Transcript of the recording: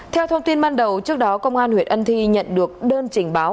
theo thông tin ban đầu trước đó công an huyện ân thi nhận được đơn trình báo